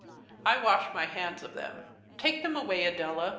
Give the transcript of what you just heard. I wash my hands of them. Take them away, Adela.